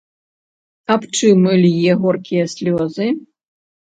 Аб чым лье горкія слёзы?